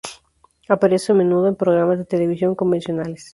Aparece a menudo en programas de televisión convencionales.